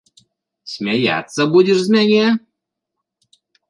Смяяцца будзеш з мяне?!